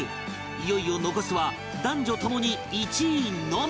いよいよ残すは男女共に１位のみ